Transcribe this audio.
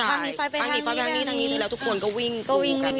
ทั้งนี้ทั้งนี้แล้วทุกคนก็วิ่งกัน